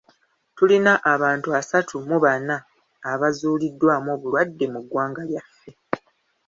Tulina abantu asatu mu bana abazuuliddwamu obulwadde mu ggwanga lyaffe.